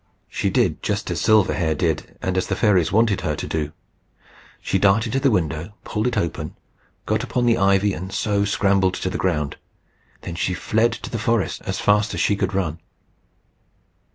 She did just as Silverhair did, and as the fairies wanted her to do: she darted to the window, pulled it open, got upon the ivy, and so scrambled to the ground. She then fled to the forest as fast as she could run.